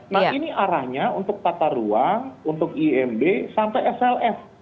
nah ini arahnya untuk tata ruang untuk imb sampai slf